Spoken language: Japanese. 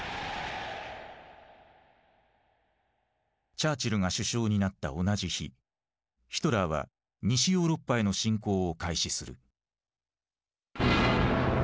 チャーチルが首相になった同じ日ヒトラーは西ヨーロッパへの侵攻を開始する。